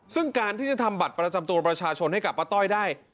ซึ่งการที่จะทำบัตรประจำตัวประชาชนให้กับป้าต้อยได้